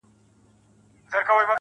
کومې غلطۍ، چې هیرولی یې نه شو